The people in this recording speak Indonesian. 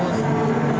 bersih pak ya